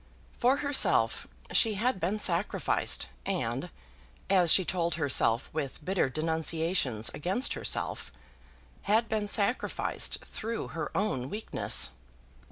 For herself, she had been sacrificed; and, as she told herself with bitter denunciations against herself, had been sacrificed through her own weakness.